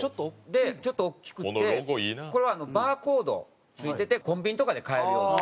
でちょっと大きくてこれはバーコード付いててコンビニとかで買えるような。